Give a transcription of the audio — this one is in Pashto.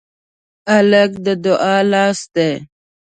هلک د دعا لاس دی.